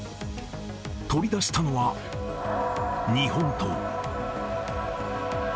取り出したのは日本刀。